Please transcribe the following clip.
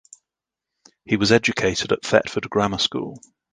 He was educated at Thetford Grammar School.